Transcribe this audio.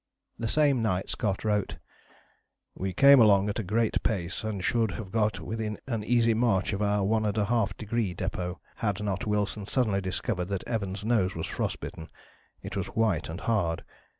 " The same night Scott wrote: "We came along at a great pace, and should have got within an easy march of our [One and a Half Degree] Depôt had not Wilson suddenly discovered that Evans' nose was frost bitten it was white and hard.